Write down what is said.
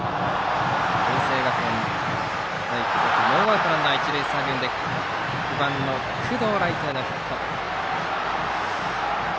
文星芸大付属ノーアウトランナー、一塁三塁で９番の工藤、ライトへのヒット。